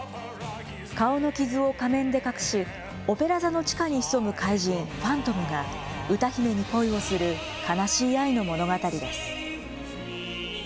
顔の傷を仮面で隠し、オペラ座の地下に潜む怪人、ファントムが歌姫に恋をする悲しい愛の物語です。